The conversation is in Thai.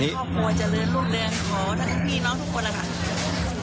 ขอให้ครอบครัวเจริญลูกเรือนของที่พี่หมอน้องทุกคนล่ะค่ะ